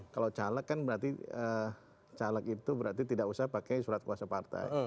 kalau caleg kan berarti caleg itu berarti tidak usah pakai surat kuasa partai